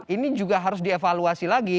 ini juga harus dievaluasi lagi